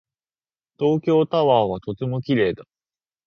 東京タワーはとても綺麗だ。